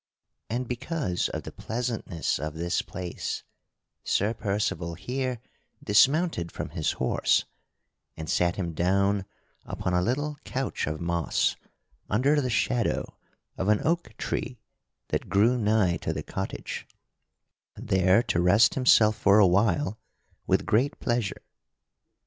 And, because of the pleasantness of this place, Sir Percival here dismounted from his horse and sat him down upon a little couch of moss under the shadow of an oak tree that grew nigh to the cottage, there to rest himself for a while with great pleasure.